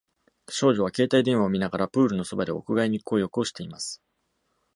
少女は携帯電話を見ながらプールのそばで屋外日光浴をしています。